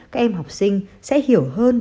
các em học sinh sẽ hiểu hơn